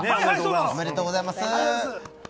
おめでとうございます。